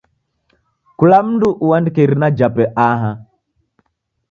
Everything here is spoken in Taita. Kula mndu uandike irina jape aha.